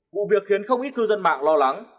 vụ việc khiến không ít cư dân mạng lo lắng